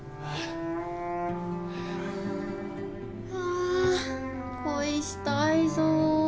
あ恋したいぞ。